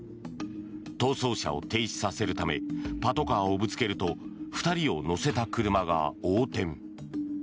逃走車を停止させるためパトカーをぶつけると２人を乗せた車が横転。